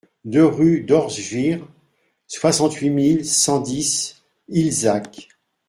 deux rue d'Orschwihr, soixante-huit mille cent dix Illzach